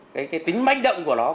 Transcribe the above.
cái tính manh động của nó